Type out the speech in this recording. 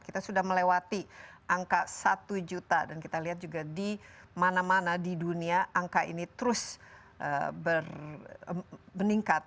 kita sudah melewati angka satu juta dan kita lihat juga di mana mana di dunia angka ini terus meningkat